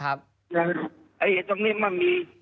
ไหว้ตรงนี้มักมี